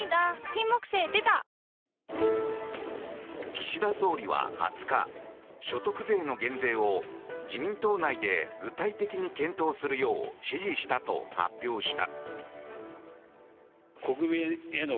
岸田総理は２０日所得税の減税を自民党内で具体的に検討するよう指示したと発表した。